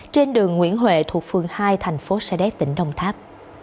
trên đường nguyễn huệ thuộc phường hai thành phố sa đéc tỉnh đồng tháp